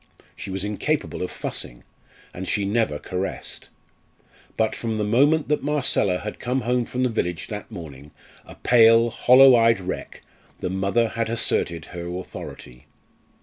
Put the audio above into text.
She was incapable of fussing, and she never caressed. But from the moment that Marcella had come home from the village that morning, a pale, hollow eyed wreck, the mother had asserted her authority.